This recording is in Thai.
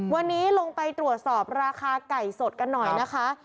วันนี้ลงไปตรวจสอบราคาไก่สดกันหน่อยนะคะ